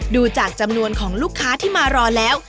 ดูจากจำนวนของลูกค้าที่มารอแล้ว